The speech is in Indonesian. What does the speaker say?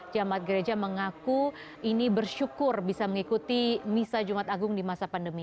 jamat gereja mengaku ini bersyukur bisa mengikuti misa jumat agung di masa pandemi